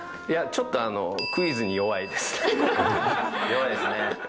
いや、ちょっとクイズに弱い弱いですね。